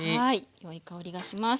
よい香りがします。